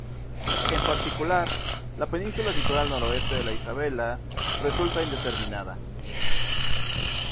En particular, la península situada al noroeste de la Isabella resulta indeterminada.